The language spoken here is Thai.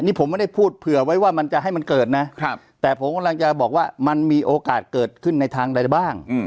นี่ผมไม่ได้พูดเผื่อไว้ว่ามันจะให้มันเกิดนะแต่ผมกำลังจะบอกว่ามันมีโอกาสเกิดขึ้นในทางใดบ้าง